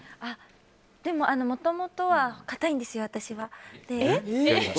でも、もともとは硬いんですよ、私は。